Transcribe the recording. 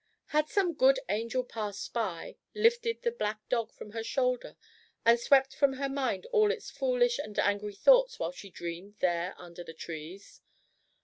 Had some good angel passed by, lifted the "black dog" from her shoulder, and swept from her mind all its foolish and angry thoughts, while she dreamed there under the trees?